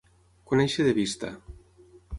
Conèixer de vista.